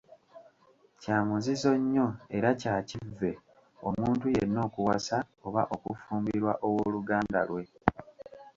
Kya muzizo nnyo era kya kivve, omuntu yenna okuwasa oba okufumbirwa ow'oluganda lwe.